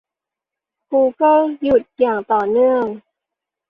กูเกิลหยุดอย่างต่อเนื่อง